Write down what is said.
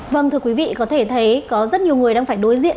vâng thưa quý vị có thể thấy có rất nhiều người đang phải đối diện